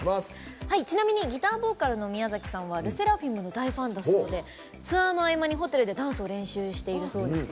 ちなみにギターボーカルの宮崎さんはＬＥＳＳＥＲＡＦＩＭの大ファンだそうでツアーの合間にホテルでダンスを練習しているそうですよ。